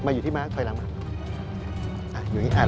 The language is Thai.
มาอยู่ที่มาคคอยล้างมา